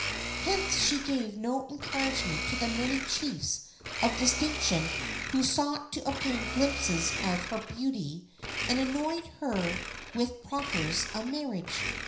Hence she gave no encouragement to the many chiefs of distinction who sought to obtain glimpses of her beauty and annoyed her with proffers of marriage.